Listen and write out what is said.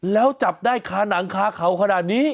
แล้วจับได้คาหนังคาเขาขนาดนี้